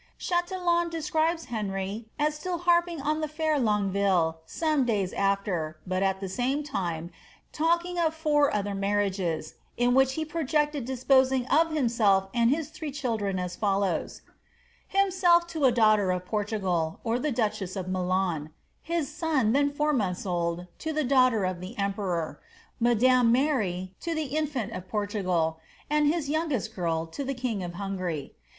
'" Chatillon describes Henry as still harping on the fair Longueville some days after, but, at the same time, talking of four other marriages, in Tbich he projected disposing of himself and his three children as fol* lows :^ Himself to a daughter of Portugal, or the duchess of Milan ; Lis son, then four months old, to the daughter of the emperor ; madame Mary, to the infant of Portugal ; and his youngest girl, to the king of fluDgarv.